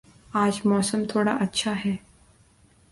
آج موسم تھوڑا اچھا ہے